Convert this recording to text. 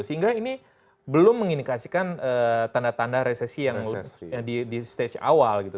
sehingga ini belum mengindikasikan tanda tanda resesi yang di stage awal gitu